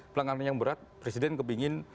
pelanggaran yang berat presiden kepingin